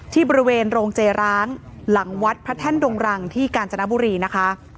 ที่บริเวณโรงเจร้างหลังวัดพระแท่นดงรังที่กาญจนบุรีนะคะ